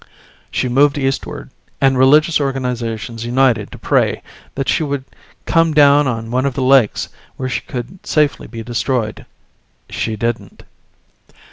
She moved eastward, and religious organizations united to pray that she would come down on one of the lakes where she could safely be destroyed. She didn't.